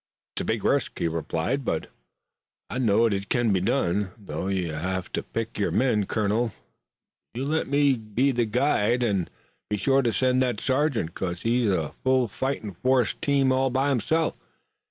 "It's a big risk," he replied, "but I 'low it kin be done, though you'll hev to pick your men, colonel. You let me be guide and be shore to send the sergeant, 'cause he's a full fo' hoss team all by hisself.